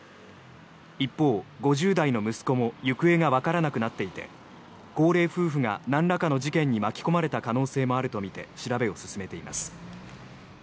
一方、５０代の息子も行方がわからなくなっていて高齢夫婦がなんらかの事件に巻き込まれた可能性もあるとみて調べを進めています。